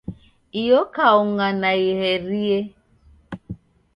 Iyo kaunga naiherie.